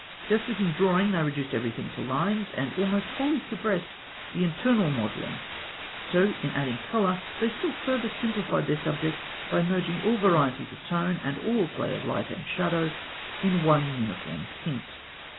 Just as in drawing they reduced everything to lines, and almost wholly suppressed the internal modelling, so in adding colour they still further simplified their subject by merging all varieties of tone, and all play of light and shadow, in one uniform tint.